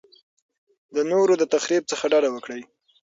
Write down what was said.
د نورو د تخریب څخه ډډه وکړئ.